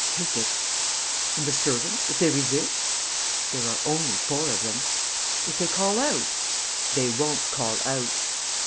..." "Take it." "And the servants? If they resist?" "There are only four of them." "If they call out?" "They won't call out."